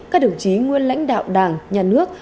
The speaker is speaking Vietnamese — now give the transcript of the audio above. các đồng chí nguyên lãnh đạo đảng nhà nước